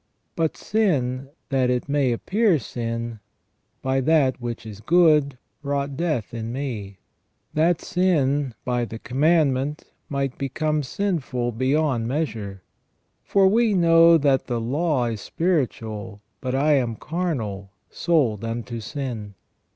But sin, that it may appear sin, by that which is good, wrought death in me : that sin by the commandment might become sinful beyond measure. For we know that the law is spiritual, but I am carnal, sold unto sin."